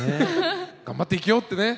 頑張って生きようってね。